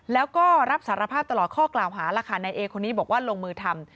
แล้วก็รับสารภาพตลอดข้อกล่าวหาล่ะค่ะนายเอคนนี้บอกว่าลงมือทำ